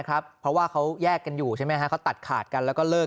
เพราะว่าเขาแยกกันอยู่ใช่ไหมฮะเขาตัดขาดกันแล้วก็เลิก